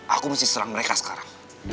aku mesti serang mereka sekarang